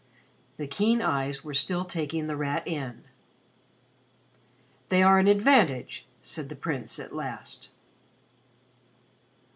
The keen eyes were still taking The Rat in. "They are an advantage," said the Prince at last.